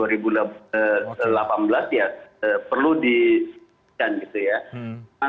perlu diperlukan gitu ya